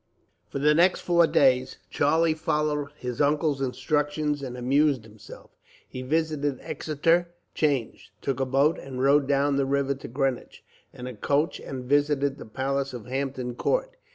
For the next four days, Charlie followed his uncle's instructions and amused himself. He visited Exeter Change, took a boat and rowed down the river to Greenwich, and a coach and visited the palace of Hampton Court.